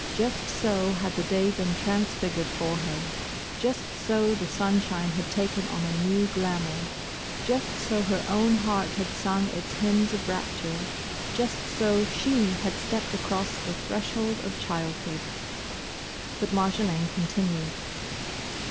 Just so had the day been transfigured for her. Just so the sunshine had taken on a new glamour. Just so her own heart had sung its hymns of rapture. Just so she had stepped across the threshold of childhood. But Marjolaine continued.